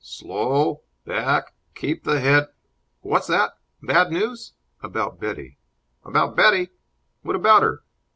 "Slow; back keep the head What's that? Bad news?" "About Betty." "About Betty? What about her?